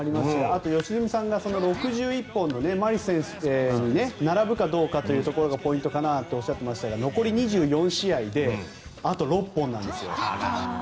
あと良純さんが６１本に並ぶかどうかというところがポイントかなとおっしゃっていましたが残り２４試合であと６本なんですよ。